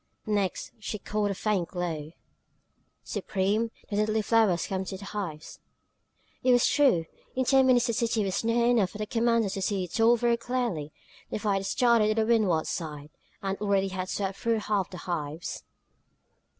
Next she caught a faint glow. "Supreme, the deadly flower has come to the hives!" It was true! In ten minutes the city was near enough for the commandant to see it all very clearly. The fire had started on the windward side, and already had swept through half the hives!